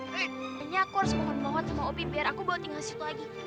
hanyanya aku harus mohon bawa sama opi biar aku bawa tinggal situ lagi